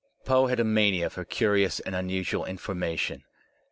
Poe had a mania for curious and unusual information.